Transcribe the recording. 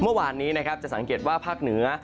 เมื่อวานนี้นะครับจะสังเกตว่าภาคเหนือ